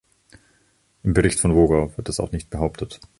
Im Bericht von Wogau wird das auch nicht behauptet.